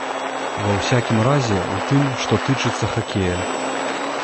Ва ўсякім разе, у тым, што тычыцца хакея.